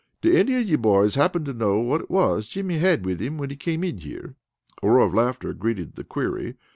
"Do any of ye boys happen to know what it was Jimmy had with him when he came in here?" A roar of laughter greeted the query.